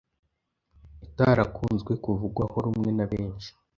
itarakunze kuvugwaho rumwe na benshi